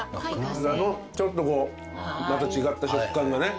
ちょっとこうまた違った食感がね